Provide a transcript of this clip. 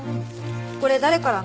これ誰からの？